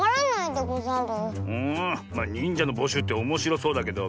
んまあにんじゃのぼしゅうっておもしろそうだけど。